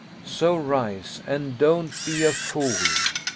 So rise and don't be a fool."